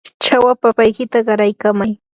chawa papaykita qaraykamay.